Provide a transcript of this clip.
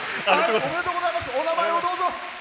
お名前をどうぞ。